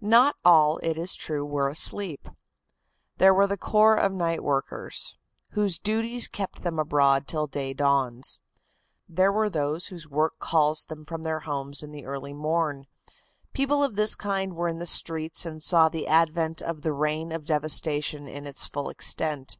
Not all, it is true, were asleep. There was the corps of night workers, whose duties keep them abroad till day dawns. There were those whose work calls them from their homes in the early morn. People of this kind were in the streets and saw the advent of the reign of devastation in its full extent.